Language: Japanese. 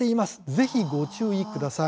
ぜひご注意ください。